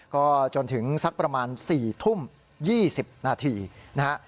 ก็จนถึงสักประมาณ๔ทุ่ม๒๐นาทีนะฮะ